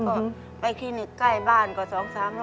ก็ไปคลินิกใกล้บ้านกว่า๒๓๐๐